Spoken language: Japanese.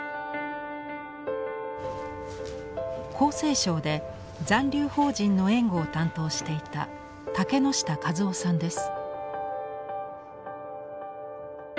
厚生省で残留邦人の援護を担当していた竹之下和雄さんです。